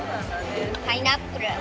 パイナップル。